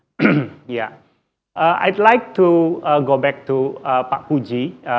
saya ingin kembali ke pak puji